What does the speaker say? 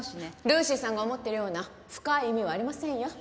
ルーシーさんが思っているような深い意味はありませんよ。